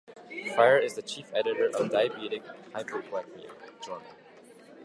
Frier is the Chief editor of "Diabetic Hypoglycemia (journal)".